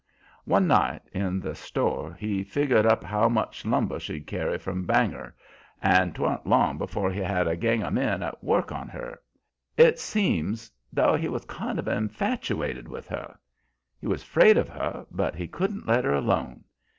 "One night in the store he figgered up how much lumber she'd carry from Bangor, and 'twan't long 'fore he had a gang o' men at work on her. It seemed's though he was kind of infatuated with her. He was 'fraid of her, but he couldn't let her alone.